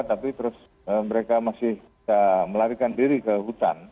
tapi terus mereka masih melarikan diri ke hutan